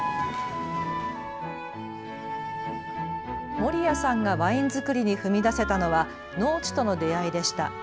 森谷さんがワイン造りに踏み出せたのは農地との出会いでした。